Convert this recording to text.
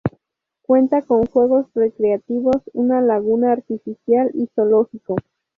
Cuenta con juegos recreativos, una laguna artificial y zoológico.